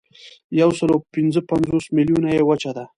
یوسلاوپینځهپنځوس میلیونه یې وچه ده.